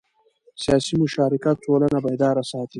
سیاسي مشارکت ټولنه بیداره ساتي